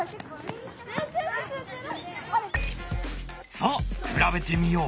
さあ比べてみよう！